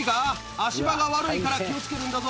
足場が悪いから、気をつけるんだぞ。